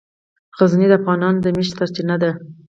غزني د افغانانو د معیشت سرچینه ده.